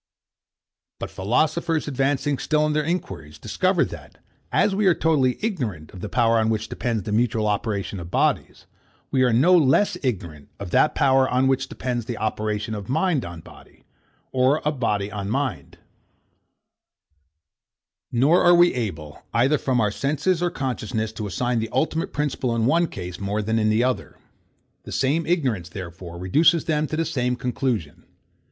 But philosophers advancing still in their inquiries, discover that, as we are totally ignorant of the power on which depends the mutual operation of bodies, we are no less ignorant of that power on which depends the operation of mind on body, or of body on mind; nor are we able, either from our senses or consciousness, to assign the ultimate principle in one case more than in the other. The same ignorance, therefore, reduces them to the same conclusion.